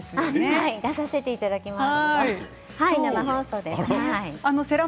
はい出させていただきます。